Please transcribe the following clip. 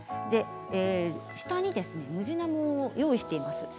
下にムジナモを用意しています。